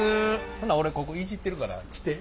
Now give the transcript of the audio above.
ほな俺ここいじってるから来て。